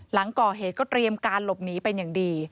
หลังก่อเหตุก็เตรียมการหลบหนีเป็นอย่างดี